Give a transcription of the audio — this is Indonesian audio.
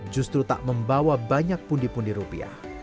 justru tak membawa banyak pundi pundi rupiah